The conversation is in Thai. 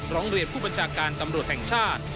ร้องเรียนผู้บัญชาการตำรวจแห่งชาติ